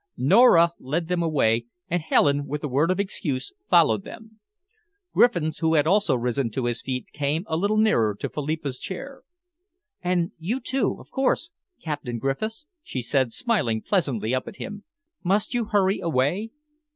Nora led them away, and Helen, with a word of excuse, followed them. Griffiths, who had also risen to his feet, came a little nearer to Philippa's chair. "And you, too, of course, Captain Griffiths," she said, smiling pleasantly up at him. "Must you hurry away?"